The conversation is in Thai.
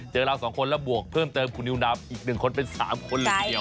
เราสองคนแล้วบวกเพิ่มเติมคุณนิวนามอีก๑คนเป็น๓คนเลยทีเดียว